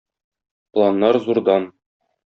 Планнар зурдан.